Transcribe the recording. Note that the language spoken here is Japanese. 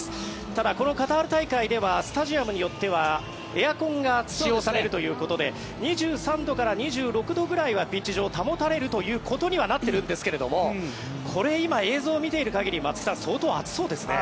ただ、このカタール大会ではスタジアムによってはエアコンが使用されるということで２３度から２６度ぐらいはピッチ上保たれるということにはなっているんですがこれ今、映像を見ている限り松木さん、相当暑そうですね。